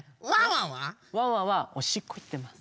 ワンワンはおしっこいってます。